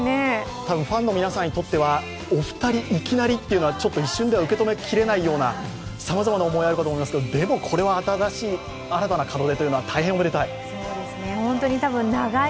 多分、ファンの皆さんにとっては、お二人いきなりというのは一瞬では受け止めきれないようなさまざまな思いがあると思いますがでも、これは新しい、新たな門出というのは本当におめでたい。